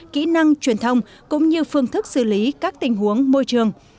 kỹ năng truyền thông cũng như phương thức xử lý các tình huống môi trường